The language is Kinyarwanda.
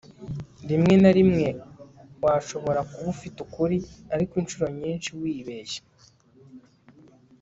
rimwe na rimwe washobora kuba ufite ukuri, ariko inshuro nyinshi wibeshya